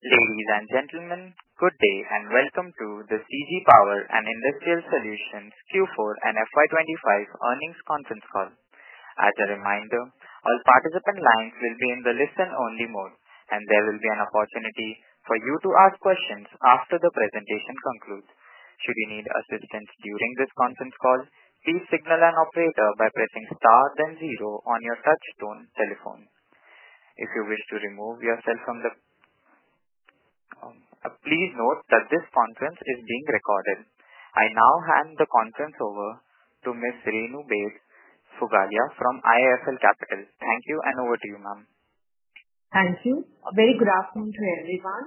Ladies and gentlemen, good day and welcome to the CG Power and Industrial Solutions Q4 and FY 2025 earnings conference call. As a reminder, all participant lines will be in the listen-only mode, and there will be an opportunity for you to ask questions after the presentation concludes. Should you need assistance during this conference call, please signal an operator by pressing star, then zero on your touchstone telephone. If you wish to remove yourself from the, please note that this conference is being recorded. I now hand the conference over to Ms. Renu Baid Pugalia from IIFL Capital. Thank you, and over to you, ma'am. Thank you. A very good afternoon to everyone.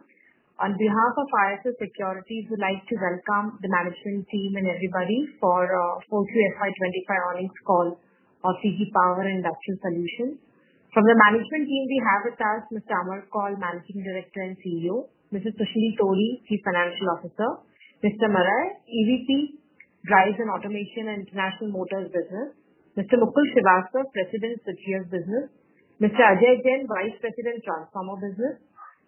On behalf of IIFL Securities, we'd like to welcome the management team and everybody for the Q4 FY2025 earnings call of CG Power and Industrial Solutions. From the management team, we have with us Mr. Amar Kaul, Managing Director and CEO; Mr. Susheel Todi, Chief Financial Officer; Mr. Marais, EVP, Drives and Automation and International Motors Business; Mr. Mukul Srivastava, President, Switchgear Business; Mr. Ajay Jain, Vice President, Transformer Business;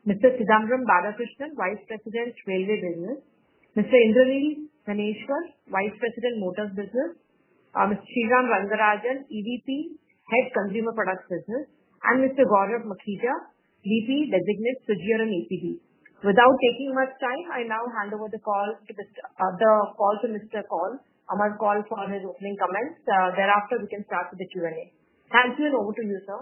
Mr. Chidambaram Balakrishnan, Vice President, Railway Business; Mr. Indraneel Dhaneshwar, Vice President, Motors Business; Mr. Sriram Rangarajan, EVP, Head Consumer Products Business; and Mr. Gaurav Makhija, VP Designate Switchgear EPD. Without taking much time, I now hand over the call to Mr. Amar Kaul for his opening comments. Thereafter, we can start with the Q&A. Thank you, and over to you, sir.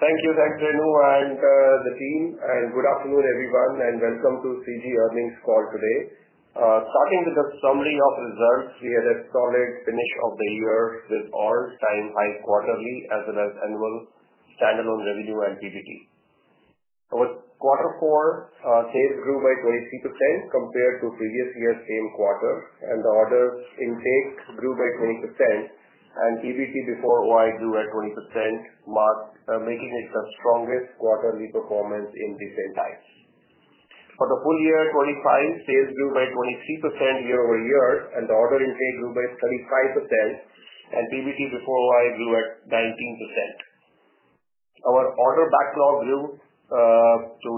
Thank you. Thanks, Renu and the team. Good afternoon, everyone, and welcome to CG earnings call today. Starting with a summary of results, we had a solid finish of the year with all-time high quarterly, as well as annual standalone revenue and PBT. Over quarter four, sales grew by 23% compared to previous year's same quarter, and the orders intake grew by 20%, and PBT before OI grew at 20%, making it the strongest quarterly performance in recent times. For the full year 2025, sales grew by 23% year-over-year, and the order intake grew by 35%, and PBT before OI grew at 19%. Our order backlog grew to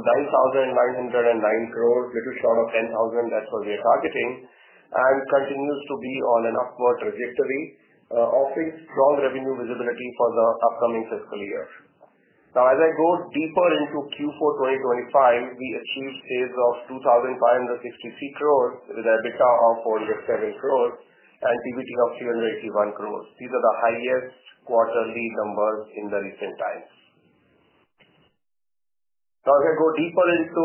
9,909 crore, a little short of 10,000 crore, that's what we are targeting, and continues to be on an upward trajectory, offering strong revenue visibility for the upcoming fiscal year. Now, as I go deeper into Q4 2025, we achieved sales of 2,563 crore with an EBITDA of 407 crore and PBT of 381 crore. These are the highest quarterly numbers in recent times. Now, as I go deeper into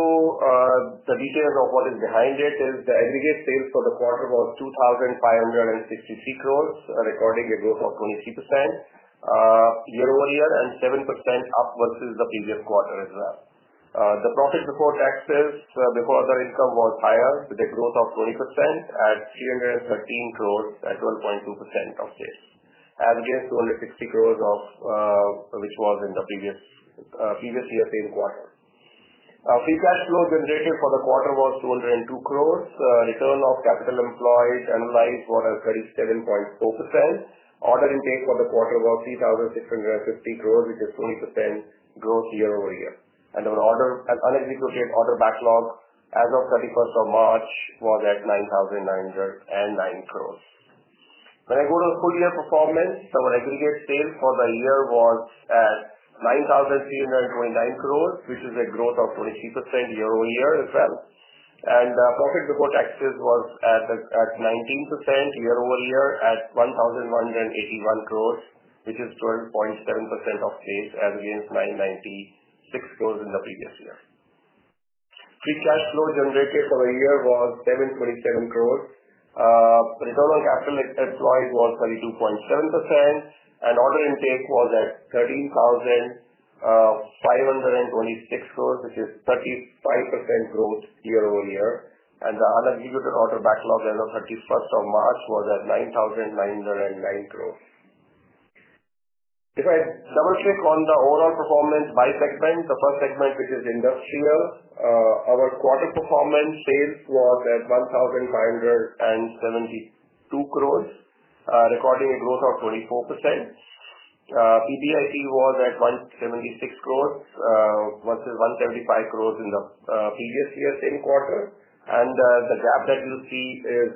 the details of what is behind it, the aggregate sales for the quarter was 2,563 crore, recording a growth of 23% year-over-year, and 7% up versus the previous quarter as well. The profit before taxes, before other income, was higher with a growth of 20% at 313 crore, at 12.2% of sales, as against 260 crore, which was in the previous year's same quarter. Free cash flow generated for the quarter was 202 crore. Return on capital employed annualized was 37.4%. Order intake for the quarter was 3,650 crore, which is 20% growth year-over-year. Our unexecuted order backlog as of 31st of March was at 9,909 crore. When I go to the full year performance, our aggregate sales for the year was at 9,329 crore, which is a growth of 23% year-over-year as well. Profit before taxes was at 19% year-over-year, at 1,181 crore, which is 12.7% of sales, as against 996 crore in the previous year. Free cash flow generated for the year was 727 crore. Return on capital employed was 32.7%, and order intake was at 13,526 crore, which is 35% growth year-over-year. The unexecuted order backlog as of 31st of March was at 9,909 crore. If I double-click on the overall performance by segment, the first segment, which is industrial, our quarter performance sales was at 1,572 crore, recording a growth of 24%. PBIT was at 176 crore, versus 175 crore in the previous year's same quarter. The gap that you see is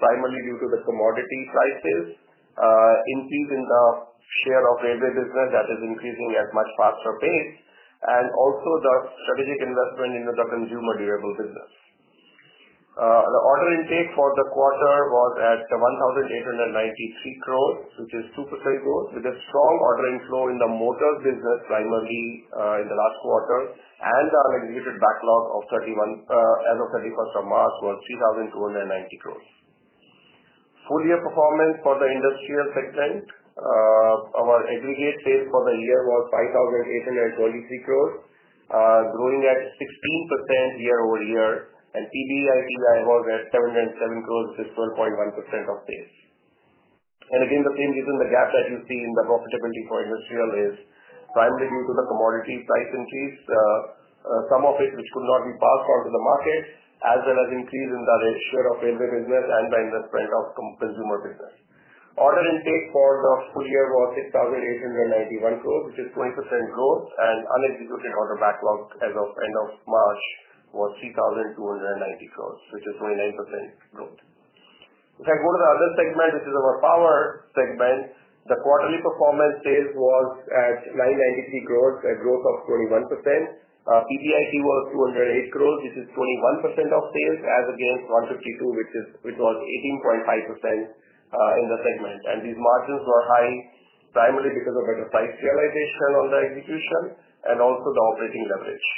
primarily due to the commodity prices increase in the share of railway business that is increasing at a much faster pace, and also the strategic investment in the consumer durable business. The order intake for the quarter was at 1,893 crore, which is 2% growth, with a strong order inflow in the motors business primarily in the last quarter, and the unexecuted backlog as of 31st March was 3,290 crore. Full year performance for the industrial segment, our aggregate sales for the year was 5,823 crore, growing at 16% year-over-year, and PBIT was at 707 crore, which is 12.1% of sales. Again, the same reason, the gap that you see in the profitability for industrial is primarily due to the commodity price increase, some of it which could not be passed on to the market, as well as increase in the share of railway business and the investment of consumer business. Order intake for the full year was 6,891 crore, which is 20% growth, and unexecuted order backlog as of end of March was 3,290 crore, which is 29% growth. If I go to the other segment, which is our power segment, the quarterly performance sales was at 993 crore, a growth of 21%. PBIT was 208 crore, which is 21% of sales, as against 152 crore, which was 18.5% in the segment. These margins were high primarily because of better price realization on the execution and also the operating leverage.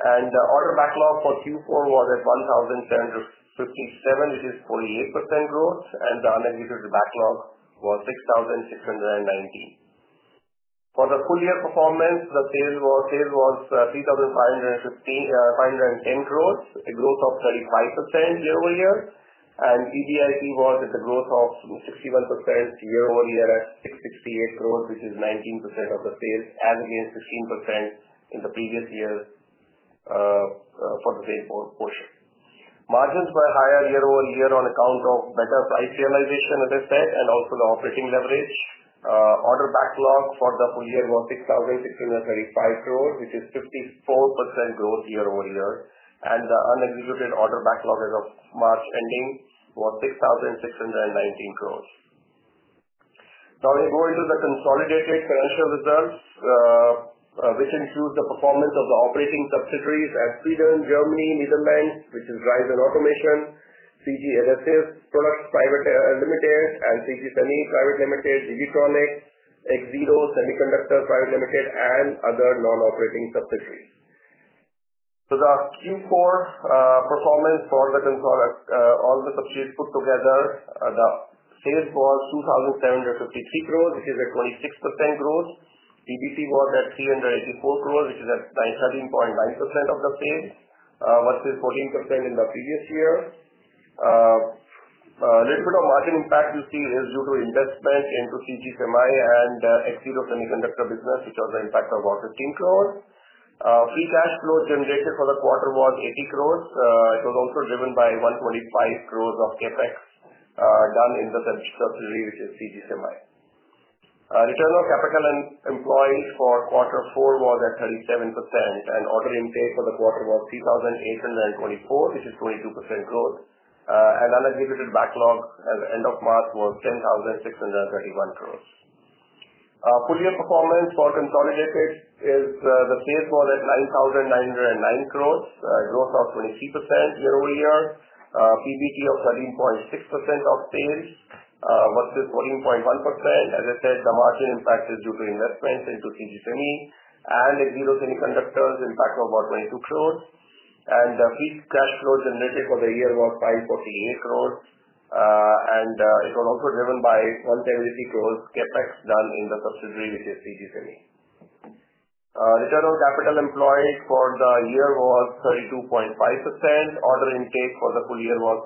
The order backlog for Q4 was at 1,757 crore which is 48% growth, and the unexecuted backlog was 6,619 crore. For the full year performance, the sales was 3,510 crore, a growth of 35% year-over-year, and PBIT was at the growth of 61% year-over-year at 668 crore, which is 19% of the sales, as against 16% in the previous year for the same portion. Margins were higher year over year on account of better price realization, as I said, and also the operating leverage. Order backlog for the full year was 6,635 crore, which is 54% growth year-over-year, and the unexecuted order backlog as of March ending was 6,619 crore. Now, I go into the consolidated financial results, which includes the performance of the operating subsidiaries at Sweden, Germany, and Netherlands, which is Drive & Automation, CG MSS Products Private Limited, and CG Semi Private Limited, G.G.Tronics, Axiro Semiconductor Private Limited, and other non-operating subsidiaries. For the Q4 performance for all the subsidiaries put together, the sales was 2,753 crore, which is a 26% growth. PBT was at 384 crore, which is 13.9% of the sales, versus 14% in the previous year. A little bit of margin impact you see is due to investment into CG Semi and Axiro Semiconductor Business, which has an impact of 115 crore. Free cash flow generated for the quarter was 80 crore. It was also driven by 125 crore of CapEx done in the subsidiary, which is CG Semi. Return on capital employed for quarter four was at 37%, and order intake for the quarter was 3,824 crore, which is 22% growth, and unexecuted backlog at the end of March was 10,631 crore. Full year performance for consolidated is the sales was at 9,909 crore, a growth of 23% year-over-year, PBT of 13.6% of sales, versus 14.1%. As I said, the margin impact is due to investment into CG Semi and Axiro Semiconductor, impact of about 22 crore, and the free cash flow generated for the year was 548 crore, and it was also driven by 173 crore CapEx done in the subsidiary, which is CG Semi. Return on capital employed for the year was 32.5%. Order intake for the full year was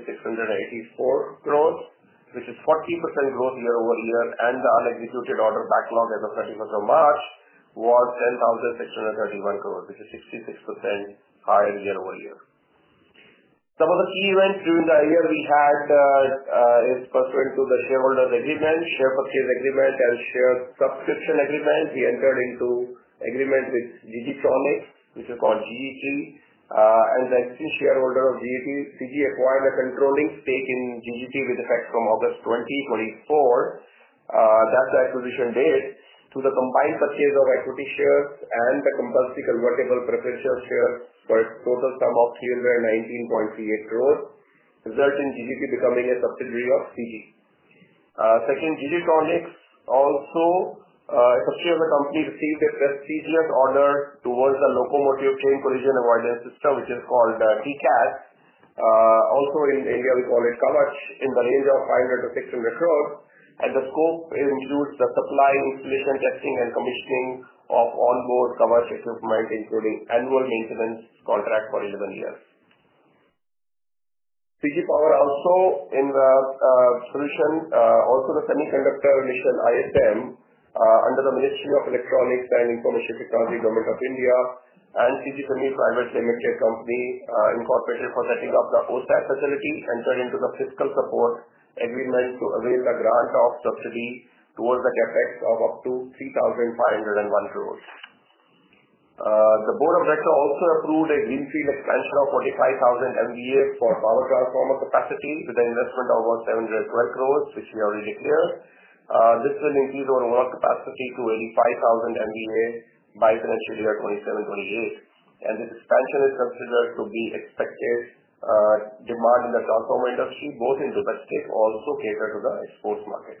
14,684 crore, which is 40% growth year-over-year, and the unexecuted order backlog as of 31st of March was 10,631 crore, which is 66% higher year-over-year. Some of the key events during the year we had is pursuant to the shareholders' agreement, share purchase agreement, and share subscription agreement. We entered into agreement with G.G.Tronics, which is called GGT, and the existing shareholder of GGT. CG acquired a controlling stake in GGT with effect from August 2024. That's the acquisition date. Through the combined purchase of equity shares and the compulsory convertible preferential shares for a total sum of 319.38 crore, resulting in GGT becoming a subsidiary of CG. Second, G.G.Tronics also as a company received a prestigious order towards the locomotive train collision avoidance system, which is called TCAS. Also in India, we call it KAVACH, in the range of 500 crore-600 crore, and the scope includes the supply, installation, testing, and commissioning of onboard KAVACH equipment, including annual maintenance contract for 11 years. CG Power also in the solution, also the semiconductor initial India Semiconductor Mission under the Ministry of Electronics and Information Technology, Government of India, and CG Semi Private Limited Company incorporated for setting up the OSAT facility, entered into the fiscal support agreement to avail the grant of subsidy towards the CapEx of up to 3,501 crore. The Board of Directors also approved a greenfield expansion of 45,000 MVA for power transformer capacity with an investment of about 712 crore, which we already declared. This will increase overall capacity to 85,000 MVA by financial year 2027-2028, and this expansion is considered to be expected demand in the transformer industry, both in Gujarat State, also cater to the export market.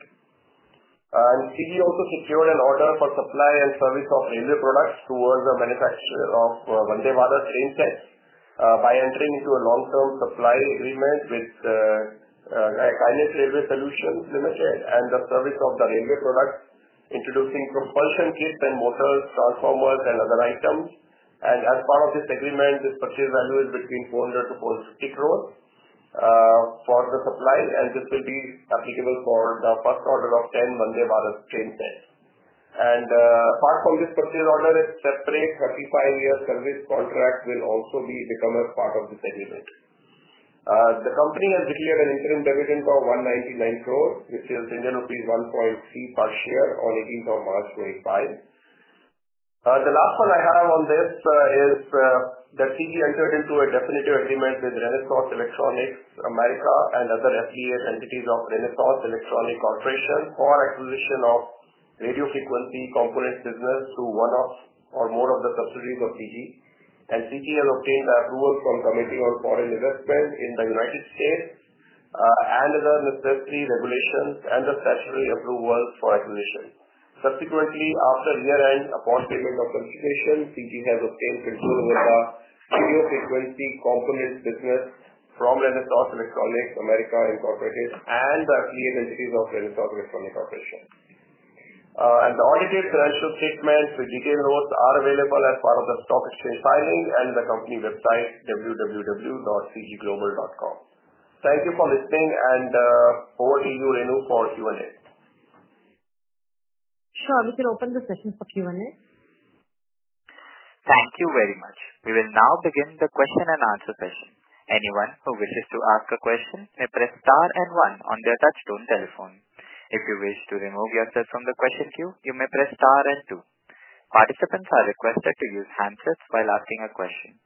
CG also secured an order for supply and service of railway products towards the manufacture of Vande Bharat train sets by entering into a long-term supply agreement with Kinet Railway Solutions Limited and the service of the railway products, introducing propulsion kits and motors, transformers, and other items. As part of this agreement, this purchase value is between 400 crore-450 crore for the supply, and this will be applicable for the first order of 10 Vande Bharat train sets. Apart from this purchase order, a separate 35-year service contract will also become a part of this agreement. The company has declared an interim dividend of INR 199 crore, which is INR 1.3 per share on 18th of March 2025. The last one I have on this is that CG entered into a definitive agreement with Renesas Electronics America and other affiliate entities of Renesas Electronics Corporation for acquisition of radio frequency components business through one or more of the subsidiaries of CG, and CG has obtained approval from the Committee on Foreign Investment in the United States and other necessary regulations and the statutory approvals for acquisition. Subsequently, after year-end upon payment of contribution, CG has obtained control over the radio frequency components business from Renesas Electronics America Incorporated and the affiliate entities of Renesas Electronics Corporation. The audited financial statements with detailed notes are available as part of the stock exchange filing and the company website www.cgglobal.com. Thank you for listening, and over to you, Renu, for Q&A. Sure, we can open the session for Q&A. Thank you very much. We will now begin the question and answer session. Anyone who wishes to ask a question may press star and one on their touchstone telephone. If you wish to remove yourself from the question queue, you may press star and two. Participants are requested to use handsets while asking a question.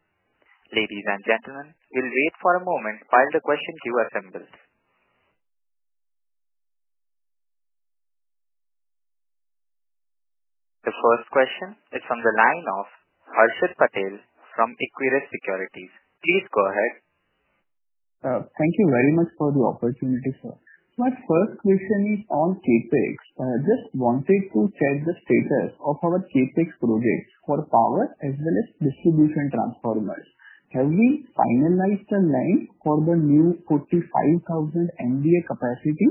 Ladies and gentlemen, we'll wait for a moment while the question queue assembles. The first question is from the line of Harshit Patel from Equirus Securities. Please go ahead. Thank you very much for the opportunity, sir. My first question is on CapEx. I just wanted to check the status of our CapEx projects for power as well as distribution transformers. Have we finalized the line for the new 45,000 MVA capacity?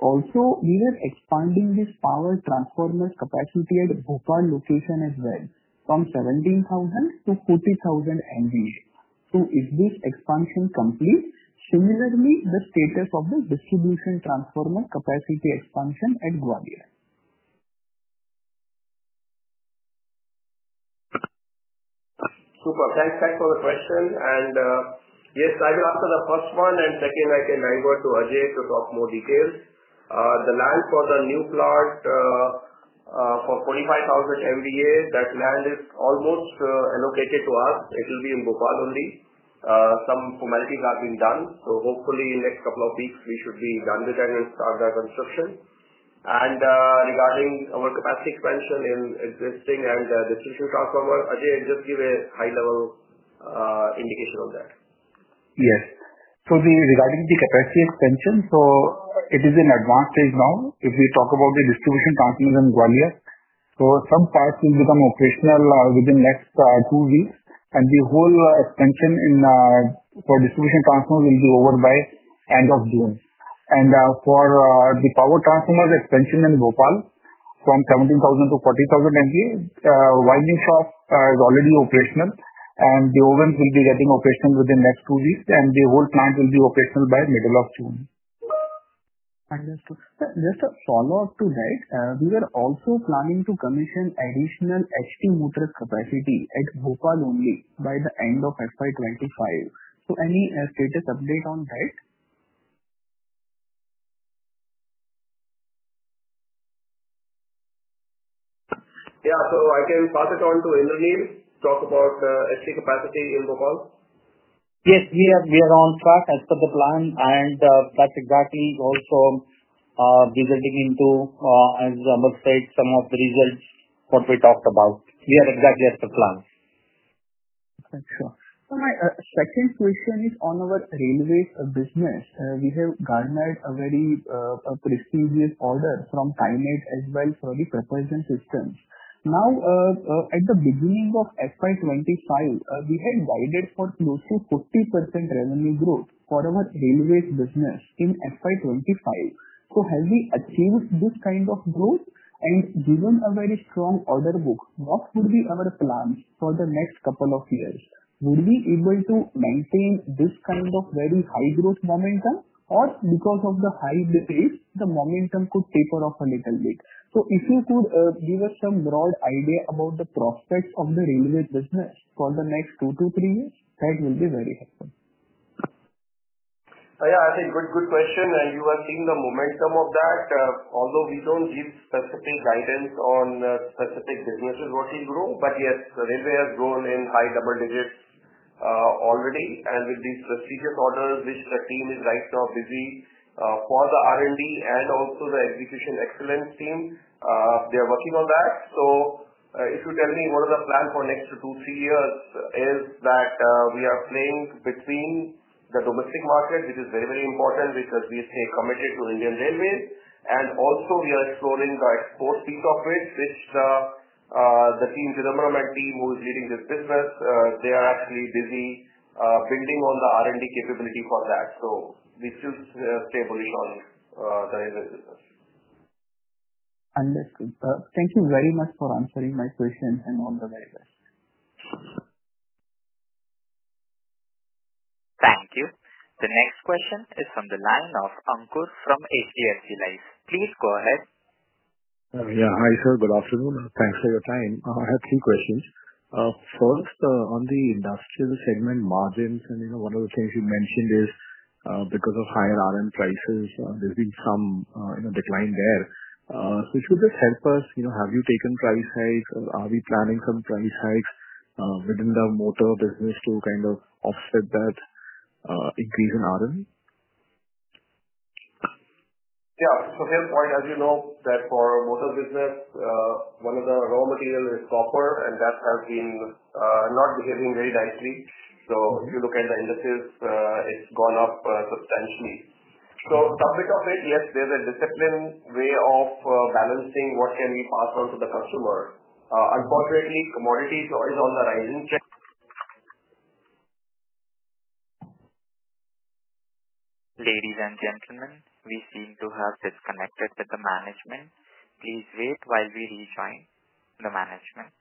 Also, we were expanding this power transformer capacity at Bhopal location as well, from 17,000 MVA to 50,000 MVA. Is this expansion complete? Similarly, the status of the distribution transformer capacity expansion at Gwalior? Super. Thanks for the question. Yes, I will answer the first one, and second, I can angle to Ajay to talk more details. The land for the new plot for 45,000 MVA, that land is almost allocated to us. It will be in Bhopal only. Some formalities have been done, so hopefully in the next couple of weeks, we should be done with that and start the construction. Regarding our capacity expansion in existing and distribution transformer, Ajay, just give a high-level indication on that. Yes. Regarding the capacity expansion, it is in an advanced stage now. If we talk about the distribution transformers in Gwalior, some parts will become operational within the next two weeks, and the whole expansion for distribution transformers will be over by the end of June. For the power transformer expansion in Bhopal, from 17,000 MVA to 40,000 MVA, the winding shop is already operational, and the ovens will be getting operational within the next two weeks, and the whole plant will be operational by the middle of June. Understood. Just a follow-up to that, we were also planning to commission additional HT motors capacity at Bhopal only by the end of FY 2025. Any status update on that? Yeah, so I can pass it on to Indraneel to talk about HT capacity in Bhopal. Yes, we are on track as per the plan, and that's exactly also resulting into, as Amar said, some of the results what we talked about. We are exactly at the plan. Sure. My second question is on our railways business. We have garnered a very prestigious order from Kinet as well for the propulsion systems. At the beginning of FY 2025, we had guided for close to 40% revenue growth for our railways business in FY 2025. Have we achieved this kind of growth? Given a very strong order book, what would be our plans for the next couple of years? Would we be able to maintain this kind of very high growth momentum, or because of the high pace, the momentum could taper off a little bit? If you could give us some broad idea about the prospects of the railways business for the next two to three years, that will be very helpful. Yeah, I think good question. You are seeing the momentum of that. Although we do not give specific guidance on specific businesses what will grow, but yes, the railway has grown in high double digits already, and with these prestigious orders, which the team is right now busy for the R&D and also the execution excellence team, they are working on that. If you tell me what is the plan for next two to three years, it is that we are playing between the domestic market, which is very, very important because we stay committed to Indian railways, and also we are exploring the export piece of it, which the team Chidambaram and team who is leading this business, they are actually busy building on the R&D capability for that. We still stay bullish on the railways business. Understood. Thank you very much for answering my question, and all the very best. Thank you. The next question is from the line of Ankur from HDFC Life. Please go ahead. Yeah, hi sir. Good afternoon. Thanks for your time. I have three questions. First, on the industrial segment margins, and one of the things you mentioned is because of higher R&D prices, there's been some decline there. Could this help us? Have you taken price hikes? Are we planning some price hikes within the motor business to kind of offset that increase in R&D? Yeah. So here's why, as you know, that for motor business, one of the raw materials is copper, and that has been not behaving very nicely. If you look at the indices, it's gone up substantially. Subject of it, yes, there's a disciplined way of balancing what can we pass on to the customer. Unfortunately, commodities is on the rising. Ladies and gentlemen, we seem to have disconnected with the management. Please wait while we rejoin the management.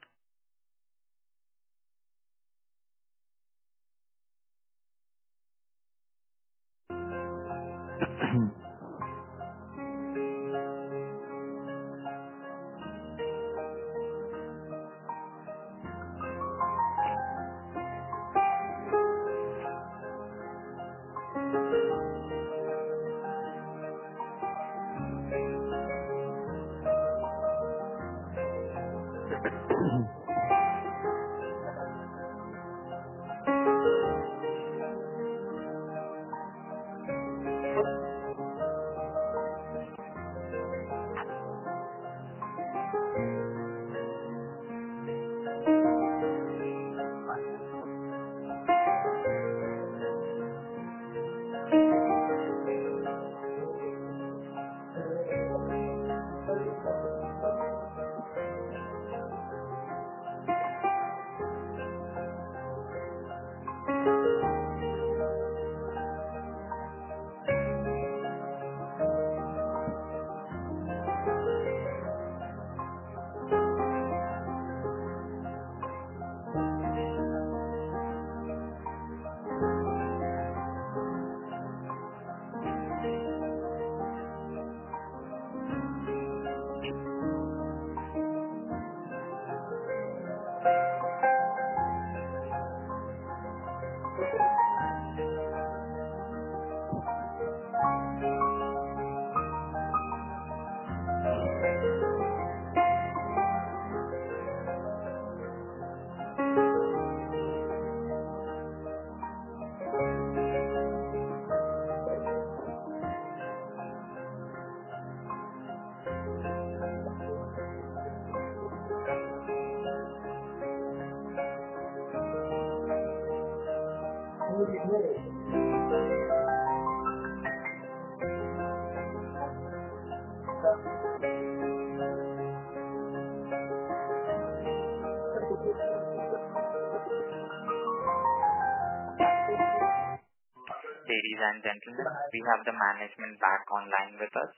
Ladies and gentlemen, we have the management back online with us.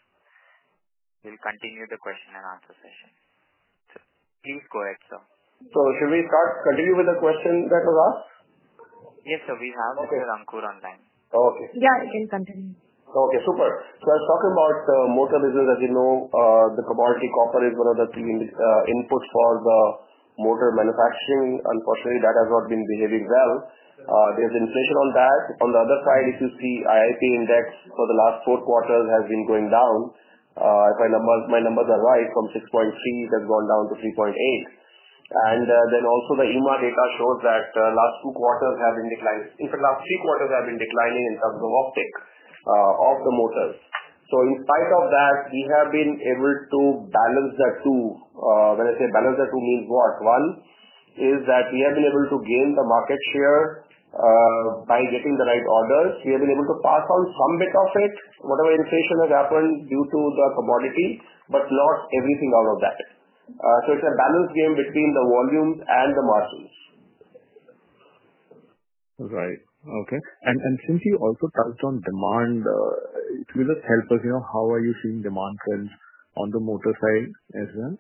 We will continue the question and answer session. Please go ahead, sir. Should we start continuing with the question that was asked? Yes, sir. We have Mr. Ankur online. Oh, okay. Yeah, you can continue. Okay, super. I was talking about motor business, as you know, the commodity copper is one of the key inputs for the motor manufacturing. Unfortunately, that has not been behaving well. There's inflation on that. On the other side, if you see IIP index for the last four quarters has been going down. If my numbers are right, from 6.3, it has gone down to 3.8. Also, the EMA data shows that the last two quarters have been declining. In fact, the last three quarters have been declining in terms of uptake of the motors. In spite of that, we have been able to balance that too. When I say balance that too, it means what? One is that we have been able to gain the market share by getting the right orders. We have been able to pass on some bit of it, whatever inflation has happened due to the commodity, but not everything out of that. It is a balance game between the volumes and the margins. Right. Okay. Since you also touched on demand, could you just help us? How are you seeing demand trends on the motor side as well?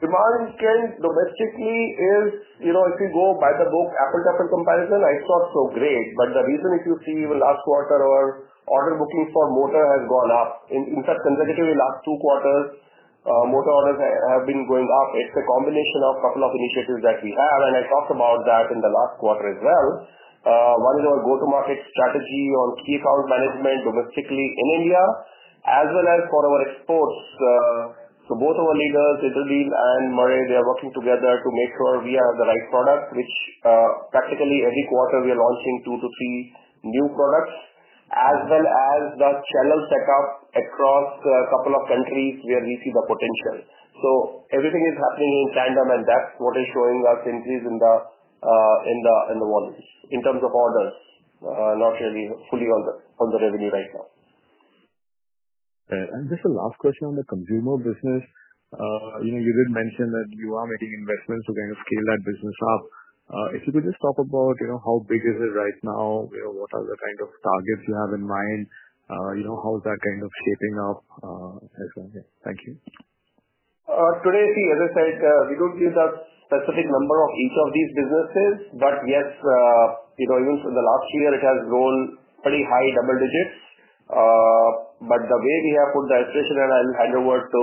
Demand trend domestically is, if you go by the book, apple to apple comparison, it's not so great. The reason, if you see, even last quarter, our order bookings for motor has gone up. In fact, consecutively last two quarters, motor orders have been going up. It's a combination of a couple of initiatives that we have, and I talked about that in the last quarter as well. One is our go-to-market strategy on key account management domestically in India, as well as for our exports. Both of our leaders, Indraneel and Marais, they are working together to make sure we have the right products, which practically every quarter we are launching two to three new products, as well as the channel setup across a couple of countries where we see the potential. Everything is happening in tandem, and that's what is showing us increase in the volumes in terms of orders, not really fully on the revenue right now. Just a last question on the consumer business. You did mention that you are making investments to kind of scale that business up. If you could just talk about how big is it right now, what are the kind of targets you have in mind, how is that kind of shaping up as well? Thank you. Today, as I said, we do not give that specific number of each of these businesses, but yes, even for the last year, it has grown pretty high double digits. The way we have put the expiration, and I will hand over to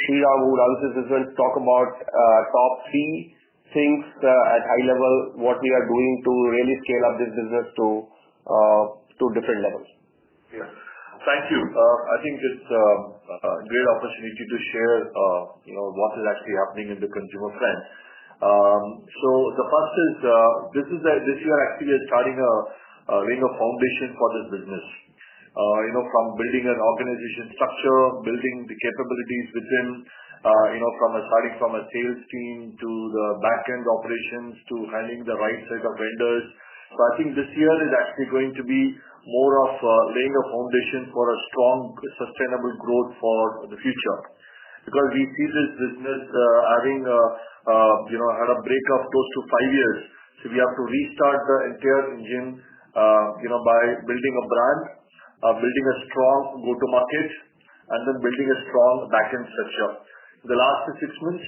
Sriram, who runs this business, to talk about top three things at high level, what we are doing to really scale up this business to different levels. Yeah. Thank you. I think it's a great opportunity to share what is actually happening in the consumer front. The first is this year actually is starting a laying of foundation for this business, from building an organization structure, building the capabilities within, starting from a sales team to the backend operations to handling the right set of vendors. I think this year is actually going to be more of laying a foundation for a strong, sustainable growth for the future because we see this business having had a break of close to five years. We have to restart the entire engine by building a brand, building a strong go-to-market, and then building a strong backend structure. In the last six months,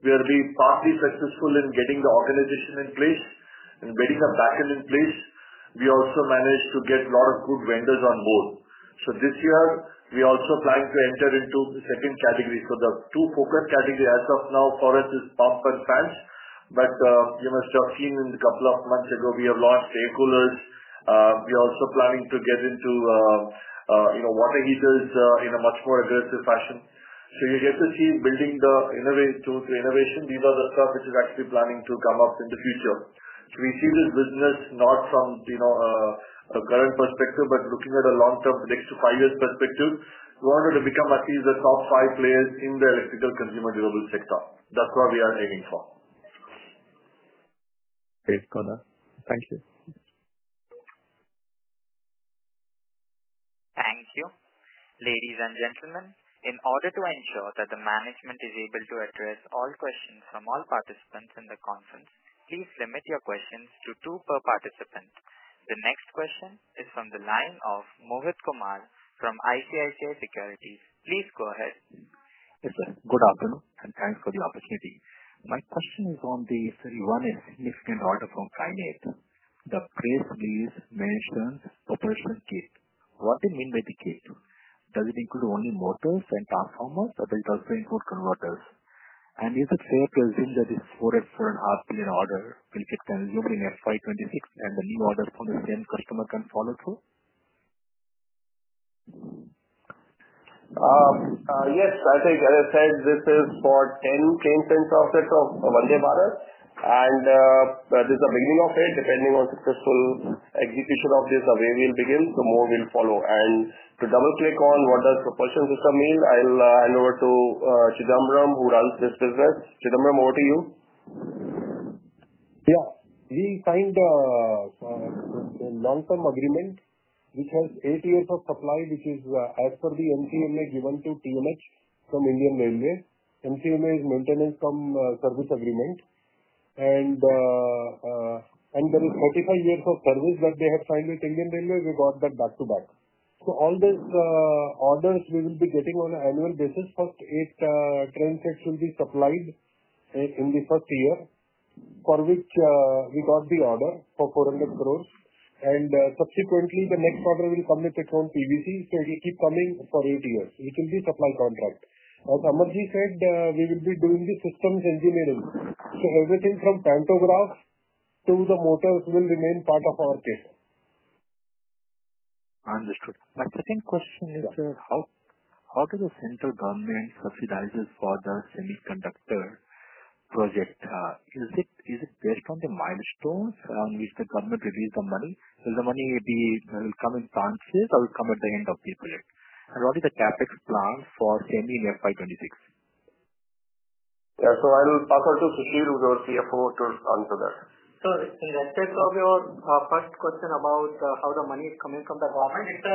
we have been partly successful in getting the organization in place and getting the backend in place. We also managed to get a lot of good vendors on board. This year, we are also planning to enter into the second category. The two focus categories as of now for us is pump and fans, but you must have seen a couple of months ago, we have launched air coolers. We are also planning to get into water heaters in a much more aggressive fashion. You get to see building the innovation through innovation. These are the stuff which is actually planning to come up in the future. We see this business not from a current perspective, but looking at a long-term, next to five years perspective, we wanted to become at least the top five players in the electrical consumer durable sector. That's what we are aiming for. Great. Got that. Thank you. Thank you. Ladies and gentlemen, in order to ensure that the management is able to address all questions from all participants in the conference, please limit your questions to two per participant. The next question is from the line of Mohit Kumar from ICICI Securities. Please go ahead. Yes, sir. Good afternoon, and thanks for the opportunity. My question is on the one significant order from Kinet. The price list mentions propulsion kit. What do you mean by the kit? Does it include only motors and transformers, or does it also include converters? Is it fair to assume that this 4.5 billion order will get consumed in FY 2026, and the new orders from the same customer can follow through? Yes. I think, as I said, this is for 10 sets offset of Vande Bharat, and this is the beginning of it. Depending on successful execution of this, the way we'll begin, the more will follow. To double-click on what does propulsion system mean, I'll hand over to Chidambaram, who runs this business. Chidambaram, over to you. Yeah. We signed a long-term agreement, which has eight years of supply, which is as per the MTSA given to TMH from Indian Railways. MTSA is Maintenance, Term, and Service Agreement, and there is 35 years of service that they have signed with Indian Railways. We got that back to back. All these orders we will be getting on an annual basis. First eight train sets should be supplied in the first year, for which we got the order for 400 crore. Subsequently, the next order will come with its own PVC, so it will keep coming for eight years. It will be a supply contract. As Amarji said, we will be doing the systems engineering. Everything from pantographs to the motors will remain part of our kit. Understood. My second question is, how does the central government subsidize for the semiconductor project? Is it based on the milestones on which the government releases the money? Will the money come in tranches or will it come at the end of the project? What is the CapEx plan for semi in FY 2026? Yeah. I'll pass it to Susheel who does the CFO to answer that. In respect of your first question about how the money is coming from the government, it's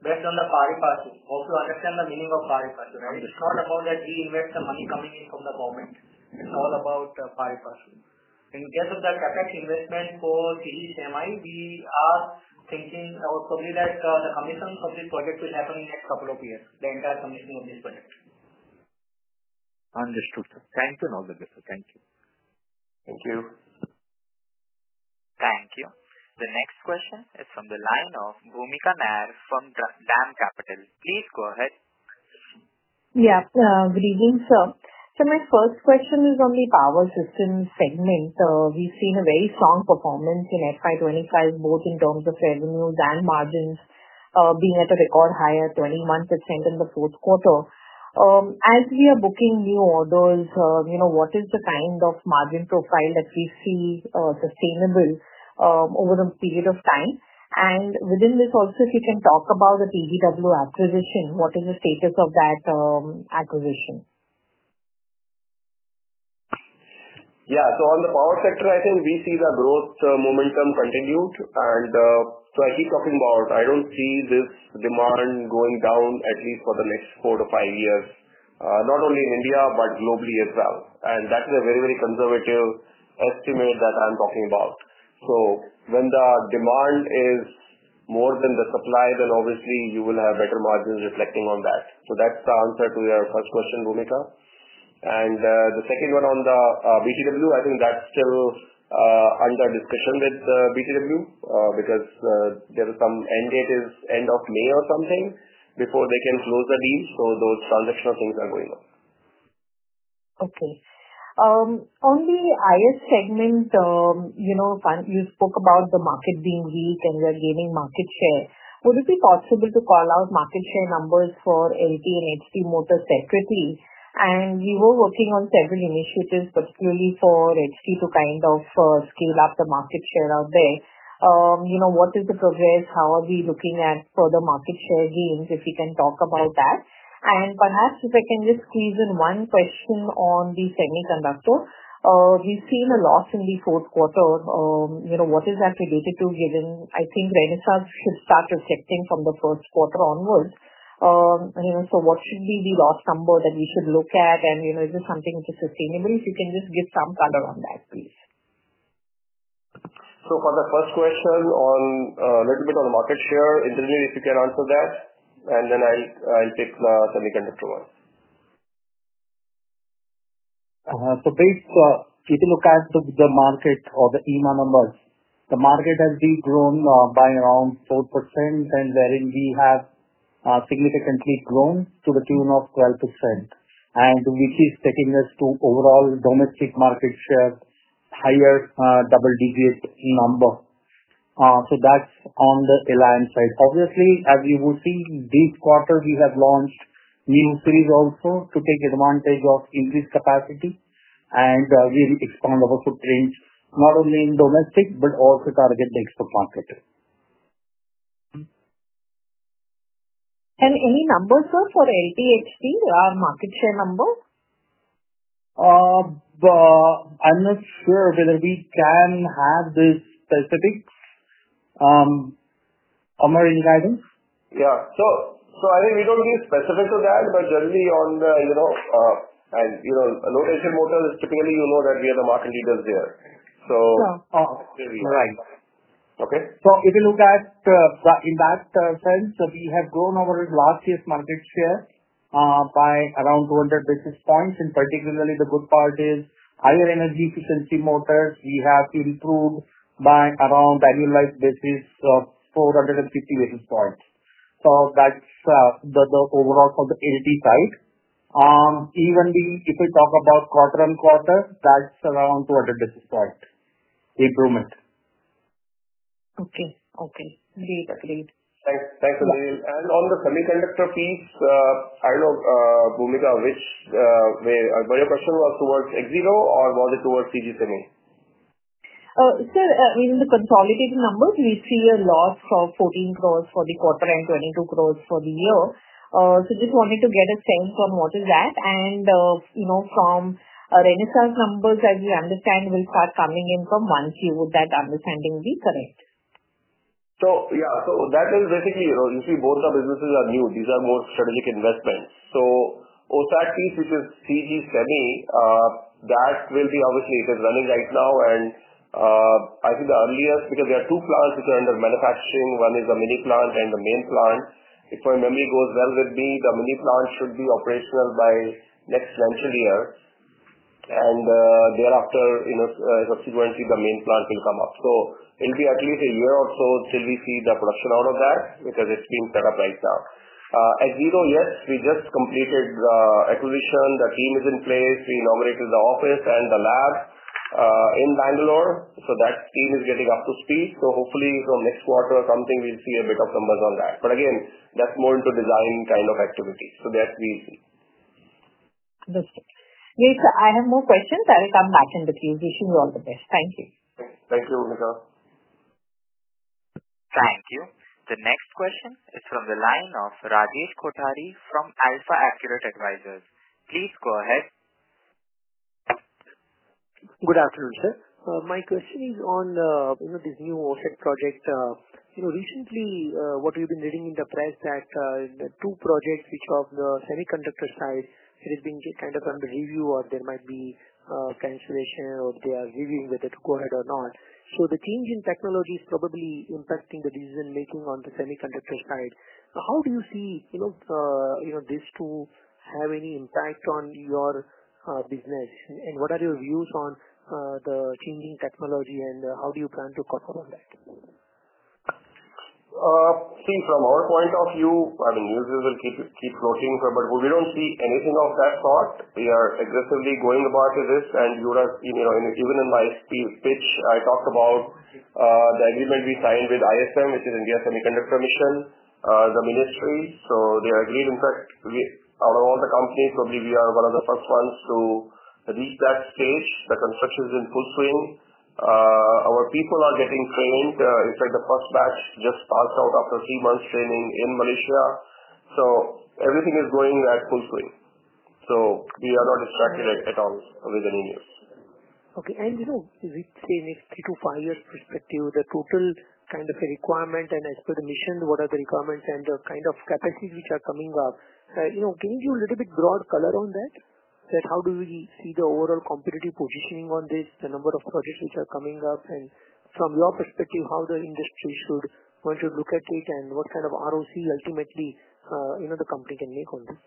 based on the pari-passu. Hope you understand the meaning of pari-passu, right? It's not about that we invest the money coming in from the government. It's all about pari-passu. In case of the CapEx investment for CG Semi, we are thinking probably that the commissioning of this project will happen in the next couple of years, the entire commissioning of this project. Understood. Thank you and all the best. Thank you. Thank you. Thank you. The next question is from the line of Bhoomika Nair from DAM Capital. Please go ahead. Yeah. Good evening, sir. My first question is on the power system segment. We've seen a very strong performance in FY 2025, both in terms of revenues and margins being at a record high at 21% in the fourth quarter. As we are booking new orders, what is the kind of margin profile that we see sustainable over a period of time? Within this also, if you can talk about the BTW acquisition, what is the status of that acquisition? Yeah. On the power sector, I think we see the growth momentum continued. I keep talking about I do not see this demand going down, at least for the next four to five years, not only in India but globally as well. That is a very, very conservative estimate that I am talking about. When the demand is more than the supply, obviously you will have better margins reflecting on that. That is the answer to your first question, Bhoomika. The second one on the BTW, I think that is still under discussion with BTW because there are some end dates end of May or something before they can close the deal. Those transactional things are going on. Okay. On the IS segment, you spoke about the market being weak and we are gaining market share. Would it be possible to call out market share numbers for LT and HT motors separately? We were working on several initiatives, particularly for HT, to kind of scale up the market share out there. What is the progress? How are we looking at further market share gains? If you can talk about that. Perhaps if I can just squeeze in one question on the semiconductor, we've seen a loss in the fourth quarter. What is that related to, given I think Renesas should start reflecting from the first quarter onwards? What should be the last number that we should look at? Is this something which is sustainable? If you can just give some color on that, please. For the first question on a little bit on the market share, Indraneel, if you can answer that, and then I'll pick the semiconductor one. If you look at the market or the EMA numbers, the market has grown by around 4%, and then we have significantly grown to the tune of 12%, which is taking us to overall domestic market share higher double-digit number. That is on the LT side. Obviously, as you will see, this quarter we have launched new series also to take advantage of increased capacity, and we will expand our footprint not only in domestic but also target the export market. Any numbers for LT, HT, market share number? I'm not sure whether we can have these specifics. Amar, any guidance? Yeah. I think we don't need specifics on that, but generally on the and a low-tension motor is typically, you know, that we are the market leaders there. So there we are. Right. Okay. If you look at in that sense, we have grown over last year's market share by around 200 basis points. Particularly, the good part is higher energy efficiency motors we have improved by around annualized basis of 450 basis points. That is the overall for the LT side. Even if we talk about quarter-on-quarter, that is around 200 basis point improvement. Okay. Great. Thanks, Indraneel. On the semiconductor piece, I do not know, Bhoomika, which way your question was, towards Axiro or was it towards CG Semi? Sir, I mean, in the consolidated numbers, we see a loss of 14 crore for the quarter and 22 crore for the year. Just wanted to get a sense on what is that. From Renesas numbers, as we understand, will start coming in from Q1. Would that understanding be correct? Yeah. That is basically, you see, both our businesses are new. These are more strategic investments. On that piece, which is CG Semi, that will be, obviously, it is running right now. I think the earliest, because there are two plants which are under manufacturing. One is a mini plant and the main plant. If my memory goes well with me, the mini plant should be operational by next financial year. Thereafter, subsequently, the main plant will come up. It will be at least a year or so till we see the production out of that because it is being set up right now. Axiro, yes, we just completed the acquisition. The team is in place. We inaugurated the office and the lab in Bangalore. That team is getting up to speed. Hopefully, from next quarter or something, we'll see a bit of numbers on that. Again, that's more into design kind of activity. So that we'll see. Understood. Great. I have more questions. I'll come back in the queue. Wishing you all the best. Thank you. Thank you, Bhoomika. Thank you. The next question is from the line of Rajesh Kothari from AlfaAccurate Advisors. Please go ahead. Good afternoon, sir. My question is on this new OSAT project. Recently, what we've been reading in the press is that two projects, which are on the semiconductor side, are being kind of under review or there might be cancellation or they are reviewing whether to go ahead or not. The change in technology is probably impacting the decision-making on the semiconductor side. How do you see these two have any impact on your business? What are your views on the changing technology and how do you plan to cover on that? See, from our point of view, I mean, news will keep floating, but we do not see anything of that sort. We are aggressively going about this. I mean, even in my pitch, I talked about the agreement we signed with ISM, which is India Semiconductor Mission, the Ministry. They agreed. In fact, out of all the companies, probably we are one of the first ones to reach that stage. The construction is in full swing. Our people are getting trained. In fact, the first batch just passed out after three months training in Malaysia. Everything is going at full swing. We are not distracted at all with any news. Okay. Within the next three to five years perspective, the total kind of requirement and as per the mission, what are the requirements and the kind of capacities which are coming up? Can you give a little bit broad color on that? How do we see the overall competitive positioning on this, the number of projects which are coming up? From your perspective, how the industry should want to look at it and what kind of ROCE ultimately the company can make on this?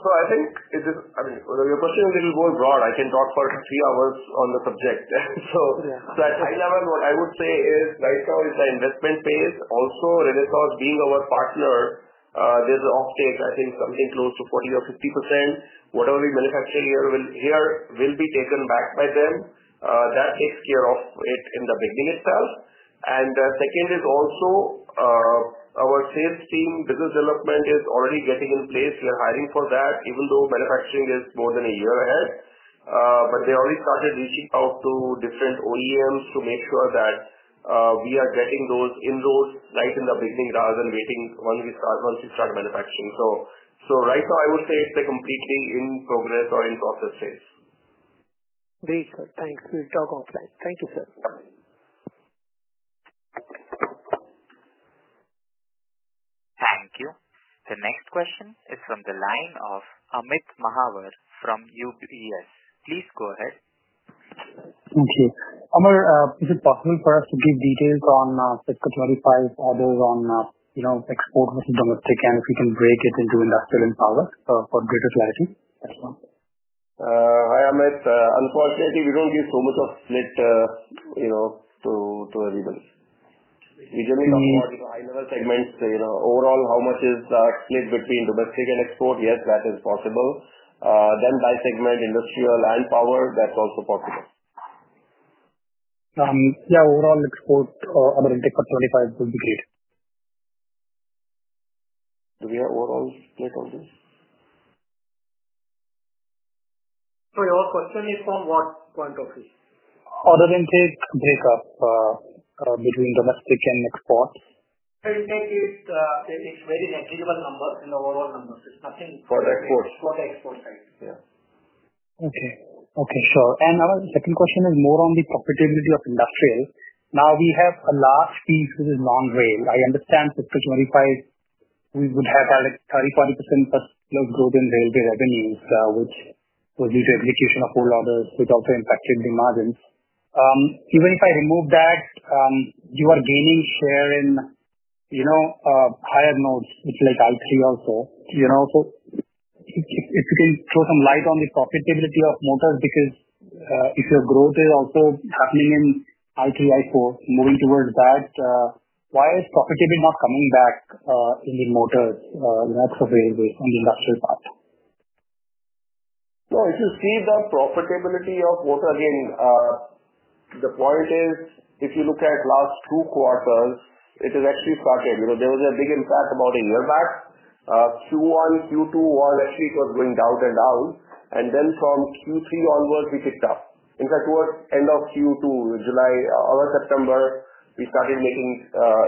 I think it is, I mean, your question is a little more broad. I can talk for three hours on the subject. At a high level, what I would say is right now is the investment phase. Also, Renesas being our partner, there's an offtake, I think something close to 40% or 50%. Whatever we manufacture here will be taken back by them. That takes care of it in the beginning itself. The second is also our sales team, business development is already getting in place. We are hiring for that, even though manufacturing is more than a year ahead. They already started reaching out to different OEMs to make sure that we are getting those inroads right in the beginning rather than waiting once we start manufacturing. Right now, I would say it's a completely in progress or in process phase. Great. Thanks. We'll talk offline. Thank you, sir. Yeah. Thank you. The next question is from the line of Amit Mahawar from UBS. Please go ahead. Thank you. Amar, is it possible for us to give details on fiscal 2025 orders on export versus domestic and if we can break it into industrial and power for greater clarity as well? Hi, Amit. Unfortunately, we don't give so much of split to everybody. We generally talk about high-level segments. Overall, how much is split between domestic and export? Yes, that is possible. By segment, industrial and power, that's also possible. Yeah. Overall export, Amar, fiscal 2025 would be great. Do we have overall split on this? Your question is from what point of view? Order intake breakup between domestic and export? It's very negligible numbers in the overall numbers. It's nothing. For the export. For the export side. Yeah. Okay. Okay. Sure. Our second question is more on the profitability of industrial. Now, we have a last piece which is non-rail. I understand fiscal 2025, we would have had a 30%-40% growth in railway revenues, which was due to execution of whole orders, which also impacted the margins. Even if I remove that, you are gaining share in higher nodes, which is like I3 also. If you can throw some light on the profitability of motors because if your growth is also happening in I3, I4, moving towards that, why is profitability not coming back in the motors next to railway on the industrial part? If you see the profitability of motor, again, the point is if you look at last two quarters, it has actually started. There was a big impact about a year back. Q1, Q2, actually, it was going down and down. Then from Q3 onwards, we picked up. In fact, towards end of Q2, July, early September, we started making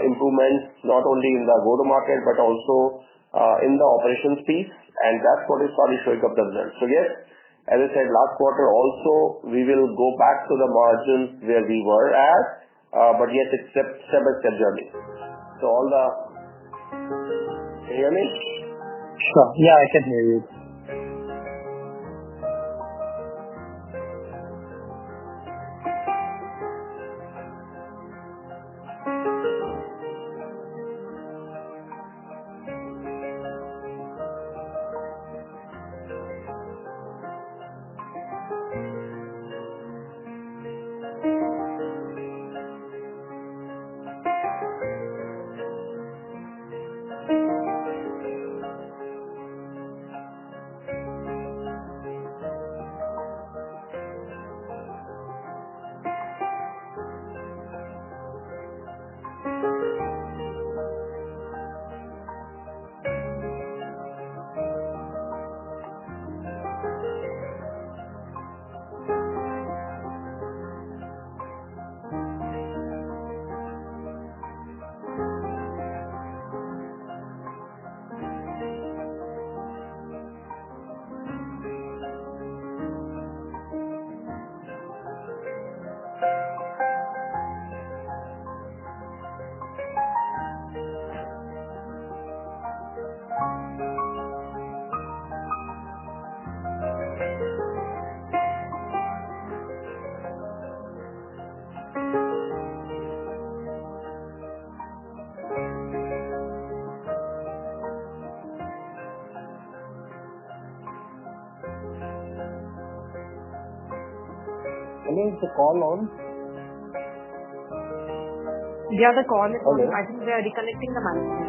improvements not only in the go-to-market but also in the operations piece. That is what is probably showing up the results. Yes, as I said, last quarter also, we will go back to the margins where we were at. Yes, it's a step-by-step journey. Can you hear me? Sure. Yeah, I can hear you. Can you hear the call on? Yeah, the call. I think we are recollecting the management.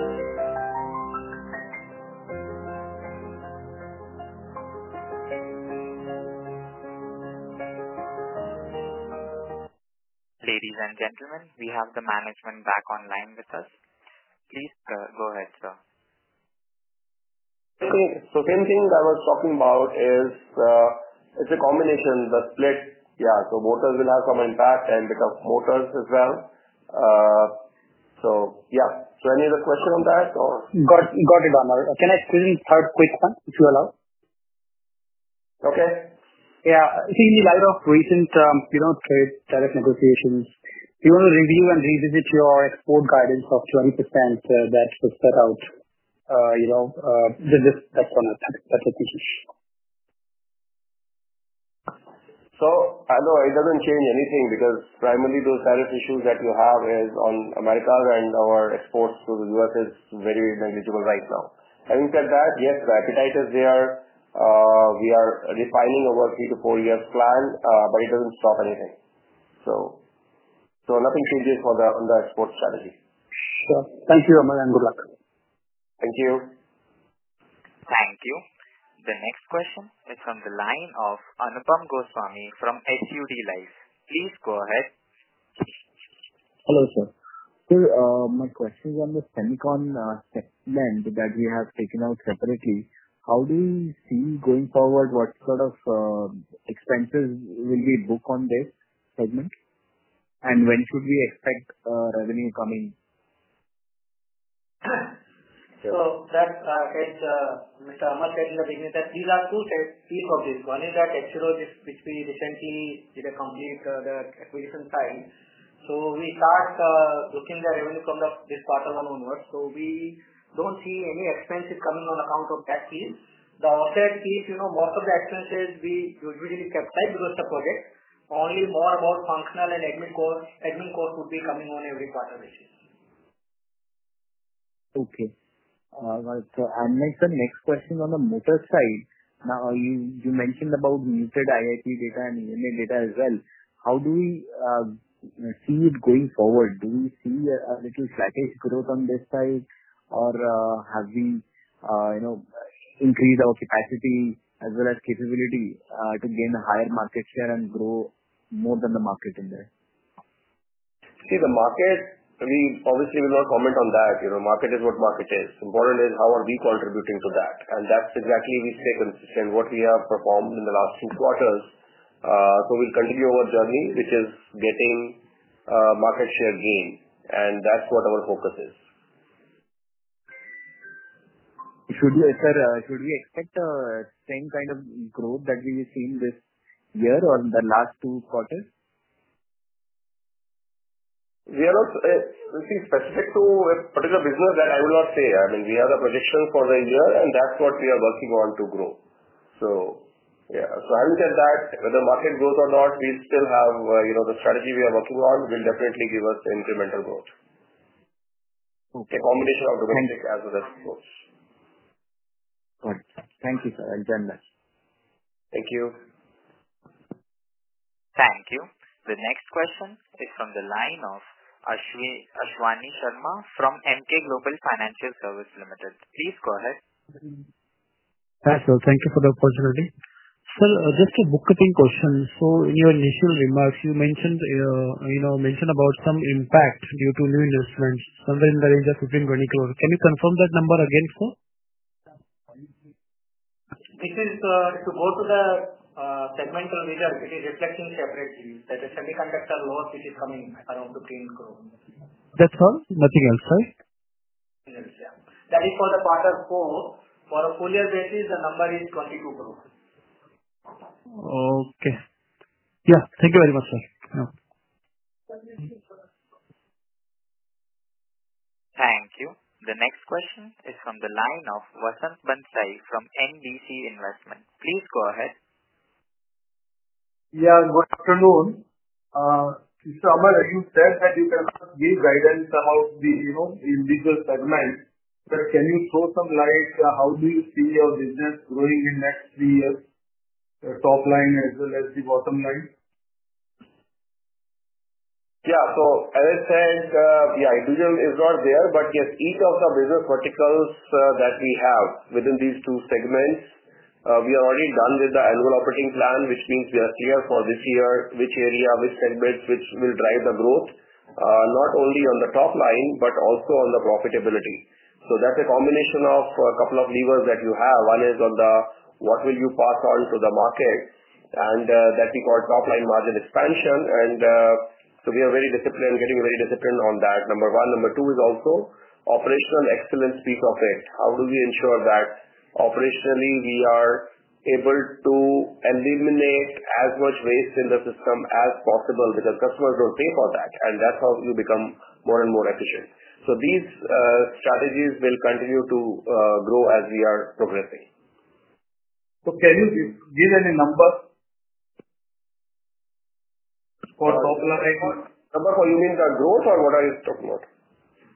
Ladies and gentlemen, we have the management back online with us. Please go ahead, sir. Okay. The same thing I was talking about is it's a combination, the split. Yeah. Motors will have some impact and become motors as well. Yeah. Any other question on that or? Got it, Amar. Can I quickly have a quick one if you allow? Okay. Yeah. See, in light of recent trade direct negotiations, we want to review and revisit your export guidance of 20% that was set out. That's one of the questions. No, it doesn't change anything because primarily those tariff issues that you have is on America and our exports to the U.S. is very negligible right now. Having said that, yes, the appetite is there. We are refining our three to four years plan, but it doesn't stop anything. Nothing changes on the export strategy. Sure. Thank you, Amar, and good luck. Thank you. Thank you. The next question is from the line of Anupam Goswami from SUD Life. Please go ahead. Hello, sir. Sir, my question is on the semiconductor segment that we have taken out separately. How do you see going forward what sort of expenses will be booked on this segment? When should we expect revenue coming? That's what Amar said in the beginning that these are two pieces of this. One is that Axiro, which we recently did a complete acquisition side. We start looking at revenue from this quarter one onwards. We do not see any expenses coming on account of that piece. The OSAT piece, most of the expenses we usually kept tight because of the project. Only more about functional and admin costs would be coming on every quarter basis. Okay. All right. Next question on the motor side. Now, you mentioned about muted IIP data and EMA data as well. How do we see it going forward? Do we see a little sluggish growth on this side or have we increased our capacity as well as capability to gain a higher market share and grow more than the market in there? See, the market, I mean, obviously, we will not comment on that. Market is what market is. Important is how are we contributing to that. That's exactly we stay consistent in what we have performed in the last two quarters. We will continue our journey, which is getting market share gain. That's what our focus is. Should we expect the same kind of growth that we've seen this year or the last two quarters? We are not specific to a particular business, that I will not say. I mean, we have a projection for the year, and that's what we are working on to grow. Yeah, having said that, whether market grows or not, we still have the strategy we are working on will definitely give us incremental growth, a combination of domestic as well as exports. Got it. Thank you, sir. Thank you very much. Thank you. Thank you. The next question is from the line of Ashwani Sharma from Emkay Global Financial Services Limited. Please go ahead. Hi, sir. Thank you for the opportunity. Sir, just a bookkeeping question. In your initial remarks, you mentioned about some impact due to new investments, somewhere in the range of INR 15 crore-INR 20 crore. Can you confirm that number again, sir? It is to go to the segmental reader which is reflecting separately. That is semiconductor loss which is coming around INR 15 crore. That's all? Nothing else, right? Nothing else, yeah. That is for the quarter four. For a full year basis, the number is INR 22 crore. Okay. Yeah. Thank you very much, sir. Thank you. The next question is from the line of Vasant Bansal from Nivesh Investment. Please go ahead. Yeah. Good afternoon. Amar, as you said, that you cannot give guidance about the individual segments. Can you throw some light? How do you see your business growing in the next three years? Top line as well as the bottom line. Yeah. As I said, individual is not there. But yes, each of the business verticals that we have within these two segments, we are already done with the annual operating plan, which means we are clear for this year which area, which segments, which will drive the growth, not only on the top line but also on the profitability. That is a combination of a couple of levers that you have. One is on what will you pass on to the market, and that we call top line margin expansion. We are very disciplined, getting very disciplined on that, number one. Number two is also operational excellence piece of it. How do we ensure that operationally we are able to eliminate as much waste in the system as possible because customers do not pay for that. That is how you become more and more efficient. These strategies will continue to grow as we are progressing. Can you give any number for top line? Number for you mean the growth or what are you talking about?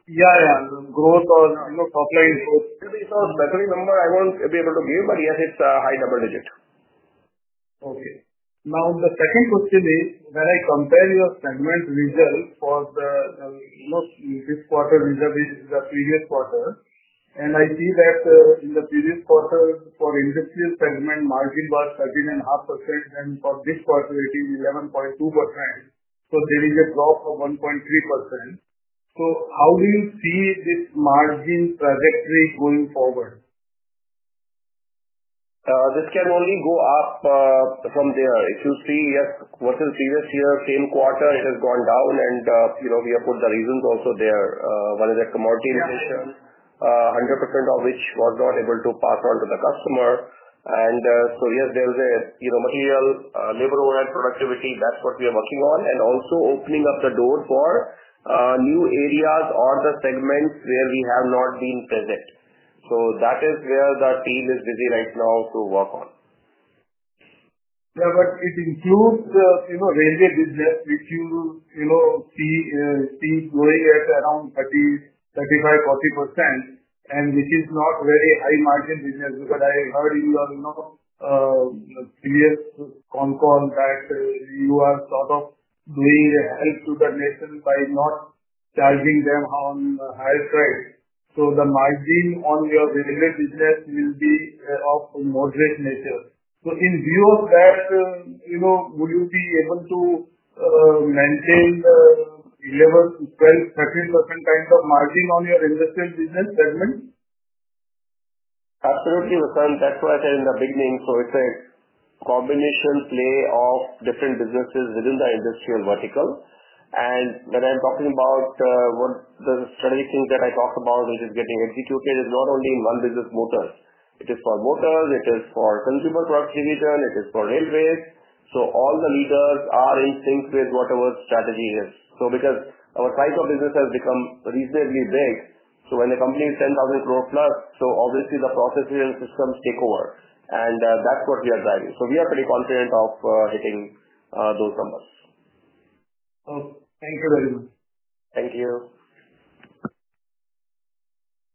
Yeah. Yeah. Growth or top line growth. It's a better number I won't be able to give, but yes, it's a high double digit. Okay. Now, the second question is when I compare your segment results for this quarter results with the previous quarter. I see that in the previous quarter, for industrial segment, margin was 13.5%, and for this quarter, it is 11.2%. There is a drop of 1.3%. How do you see this margin trajectory going forward? This can only go up from there. If you see, yes, versus previous year, same quarter, it has gone down. We have put the reasons also there. One is a commodity inflation, 100% of which was not able to pass on to the customer. There is a material, labor overhead productivity. That is what we are working on. Also opening up the door for new areas or the segments where we have not been present. That is where the team is busy right now to work on. Yeah. It includes railway business, which you see growing at around 30%, 35%, 40%, and which is not very high margin business. Because I heard in your previous con call that you are sort of doing help to the nation by not charging them on higher credit. So the margin on your railway business will be of moderate nature. In view of that, would you be able to maintain 11%, 12%, 13% kind of margin on your industrial business segment? Absolutely, Vasant. That's why I said in the beginning. It's a combination play of different businesses within the industrial vertical. When I'm talking about the strategic things that I talked about, which is getting executed, it's not only in one business, motors. It is for motors. It is for consumer products division. It is for railways. All the leaders are in sync with whatever strategy is. Because our size of business has become reasonably big, when the company is 10,000+ crore, obviously the processes and systems take over. That's what we are driving. We are pretty confident of hitting those numbers. Thank you very much. Thank you.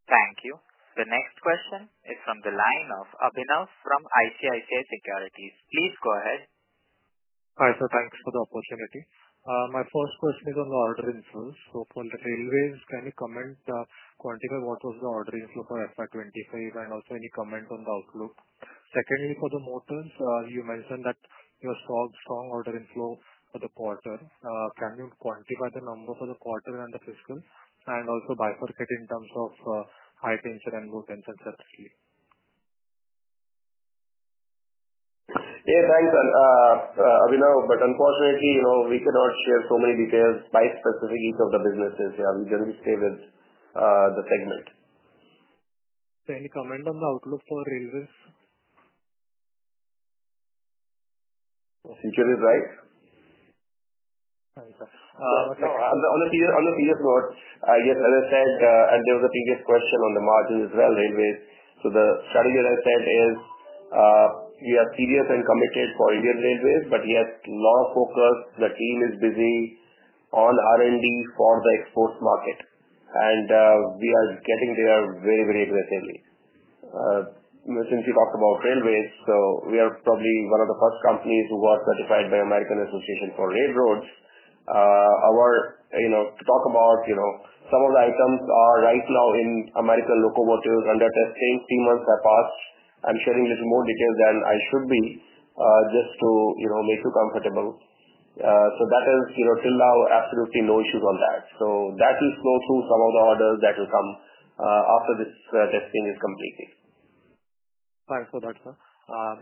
Thank you. The next question is from the line of Abhinav from ICICI Securities. Please go ahead. Hi, sir. Thanks for the opportunity. My first question is on the order inflows. For the railways, can you comment, quantify what was the order inflow for FY 2025 and also any comment on the outlook? Secondly, for the motors, you mentioned that you saw strong order inflow for the quarter. Can you quantify the number for the quarter and the fiscal and also bifurcate in terms of high tension and low tension separately? Yeah. Thanks, Abhinav. Unfortunately, we cannot share so many details by specific each of the businesses. Yeah. We generally stay with the segment. Any comment on the outlook for railways? The future is bright. All right. On the previous note, yes, as I said, and there was a previous question on the margin as well, railways. The strategy as I said is we are serious and committed for Indian railways, but yes, low focus. The team is busy on R&D for the exports market. We are getting there very, very aggressively. Since you talked about railways, we are probably one of the first companies who got certified by American Association of Railroads. To talk about some of the items, they are right now in American locomotives under testing. Three months have passed. I am sharing a little more detail than I should be just to make you comfortable. That is till now, absolutely no issues on that. That will flow through some of the orders that will come after this testing is completed. Thanks for that, sir.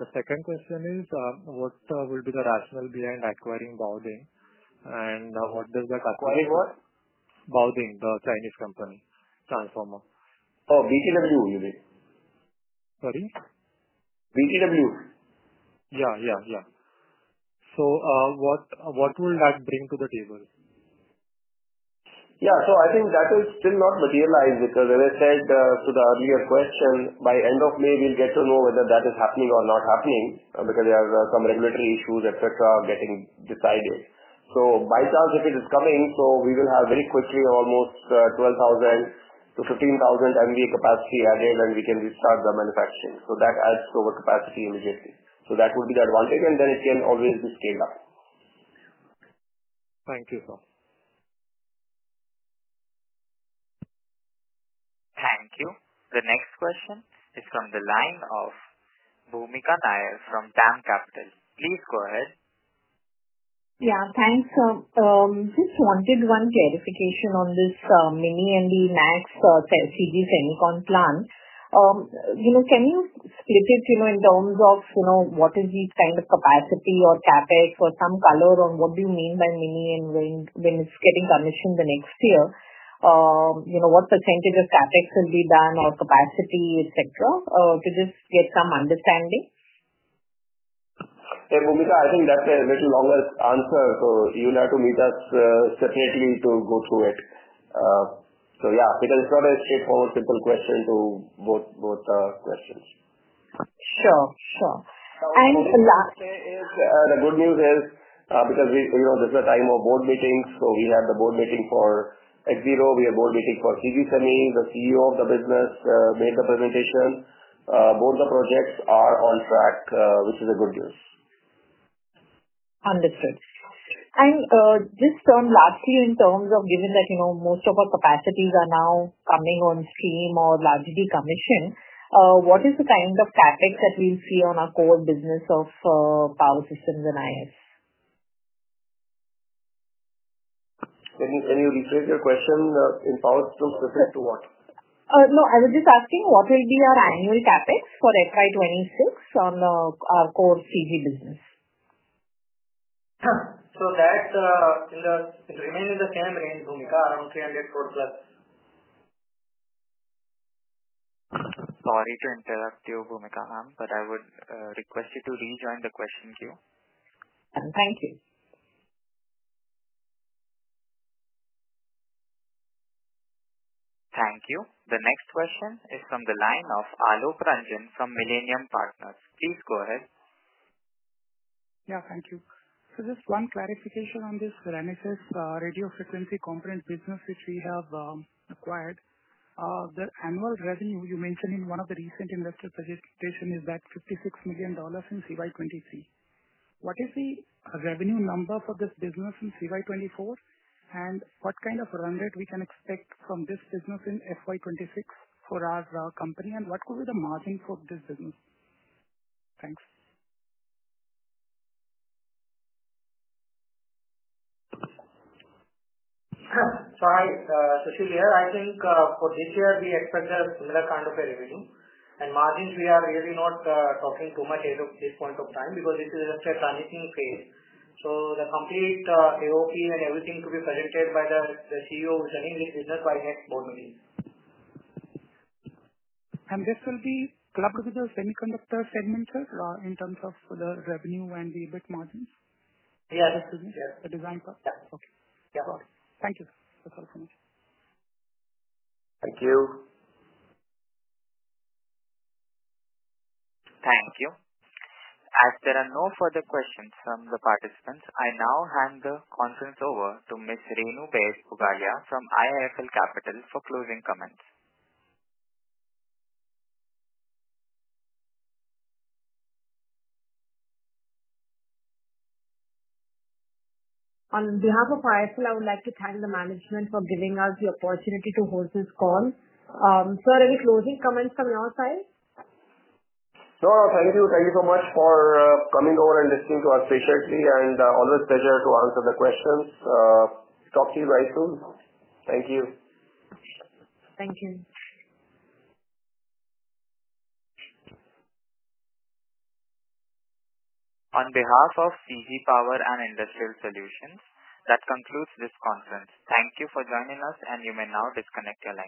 The second question is, what will be the rationale behind acquiring Baoding? And what does that acquire? Acquiring what? Baoding, the Chinese company. Transformer. Oh, BTW, you mean? Sorry? BTW. Yeah. Yeah. What will that bring to the table? Yeah. I think that is still not materialized because as I said to the earlier question, by end of May, we'll get to know whether that is happening or not happening because there are some regulatory issues, etc., getting decided. By chance, if it is coming, we will have very quickly almost 12,000 MVA-15,000 MVA capacity added, and we can restart the manufacturing. That adds over capacity immediately. That would be the advantage. It can always be scaled up. Thank you, sir. Thank you. The next question is from the line of Bhoomika Nair from DAM Capital. Please go ahead. Yeah. Thanks. Just wanted one clarification on this mini and the max CG semicon plant. Can you split it in terms of what is the kind of capacity or CapEx or some color on what do you mean by mini and when it's getting commissioned the next year? What percentage of CapEx will be done or capacity, etc., to just get some understanding? Yeah. Bhoomika, I think that's a little longer answer. You will have to meet us separately to go through it. Yeah, because it's not a straightforward simple question to both questions. Sure. Sure. And the last. The good news is because this is the time of board meetings. We have the board meeting for Axiro. We have board meeting for CG Semi. The CEO of the business made the presentation. Both the projects are on track, which is a good news. Understood. Just lastly, in terms of given that most of our capacities are now coming on stream or largely commissioned, what is the kind of CapEx that we'll see on our core business of power systems and IS? Can you rephrase your question? In power systems related to what? No. I was just asking what will be our annual CapEx for FY 2026 on our core CG business? That will remain in the same range, Bhoomika, around INR 300+ crore. Sorry to interrupt you, Bhoomika Ma'am, but I would request you to rejoin the question queue. Thank you. Thank you. The next question is from the line of Alok Ranjan from Millennium Partners. Please go ahead. Yeah. Thank you. Just one clarification on this Renesas radio frequency component business which we have acquired. The annual revenue you mentioned in one of the recent investor presentations is that $56 million in CY 2023. What is the revenue number for this business in CY 2024? What kind of run rate can we expect from this business in FY 2026 for our company? What could be the margin for this business? Thanks. Hi, so sir I think for this year, we expect a similar kind of a revenue. And margins, we are really not talking too much at this point of time because this is just a planning phase. So the complete AOP and everything to be presented by the CEO will be in this business by next board meeting. Will this be clubbed with the semiconductor segment, sir, in terms of the revenue and the EBIT margins? Yes. The design part? Yes. Okay. Got it. Thank you. That's all for me. Thank you. Thank you. As there are no further questions from the participants, I now hand the conference over to Ms. Renu Baid Pugalia from IIFL Capital for closing comments. On behalf of IIFL, I would like to thank the management for giving us the opportunity to host this call. Sir, any closing comments from your side? No. Thank you. Thank you so much for coming over and listening to us patiently. Always a pleasure to answer the questions. Talk to you very soon. Thank you. Thank you. On behalf of CG Power and Industrial Solutions, that concludes this conference. Thank you for joining us, and you may now disconnect your line.